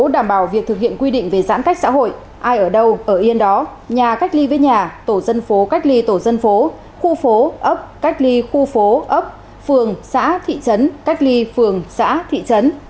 để đảm bảo việc thực hiện quy định về giãn cách xã hội ai ở đâu ở yên đó nhà cách ly với nhà tổ dân phố cách ly tổ dân phố khu phố ấp cách ly khu phố ấp phường xã thị trấn cách ly phường xã thị trấn